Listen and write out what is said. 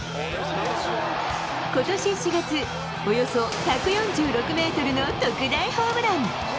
ことし４月、およそ１４６メートルの特大ホームラン。